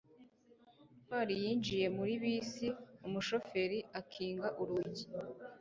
ntwali yinjiye muri bisi umushoferi akinga urugi